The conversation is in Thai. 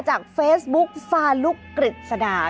จากเฟซบุ๊กฟารุกรึดสนา